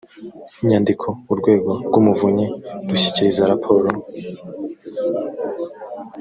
nyandiko urwego rw umuvunyi rushyikiriza raporo